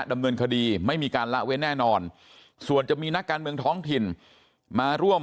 ดำเนินคดีไม่มีการละเว้นแน่นอนส่วนจะมีนักการเมืองท้องถิ่นมาร่วม